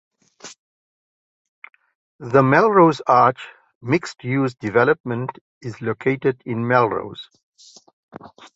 The Melrose Arch mixed-use development is located in Melrose.